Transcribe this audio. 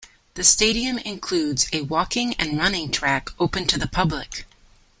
The stadium includes a walking and running track open to the public.